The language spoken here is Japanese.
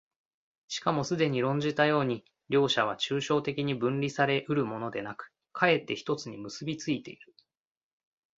しかもすでに論じたように、両者は抽象的に分離され得るものでなく、却って一つに結び付いている。